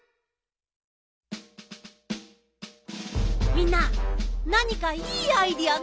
みんななにかいいアイデアないかな？